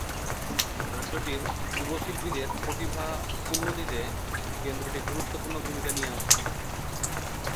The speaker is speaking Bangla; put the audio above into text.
রাজ্যটির যুব শিল্পীদের প্রতিভা উন্নতিতে কেন্দ্রটি গুরুত্বপূর্ণ ভূমিকা নিয়ে আসছে।